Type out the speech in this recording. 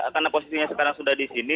karena positinya sekarang sudah di sini